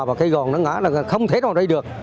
và cây gòn nó ngã là không thể nào đi được